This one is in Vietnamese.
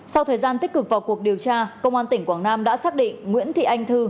sau thời gian tích cực vào cuộc điều tra công an tỉnh quảng nam đã xác định nguyễn thị anh thư